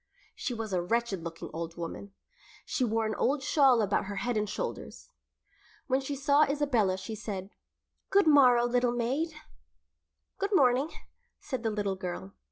She was a wretched looking old woman. She wore an old shawl about her head and shoulders. When she saw Isabella she said, "Good morrow, little maid." "Good morning," said the little girl.